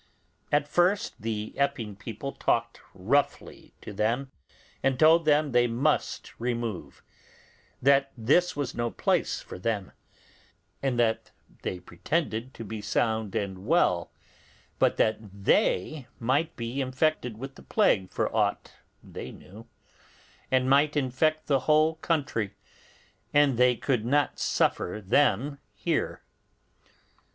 At first the Epping people talked roughly to them, and told them they must remove; that this was no place for them; and that they pretended to be sound and well, but that they might be infected with the plague for aught they knew, and might infect the whole country, and they could not suffer them there.